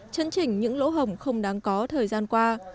chấn chỉnh những lỗ hồng không đáng có thời gian qua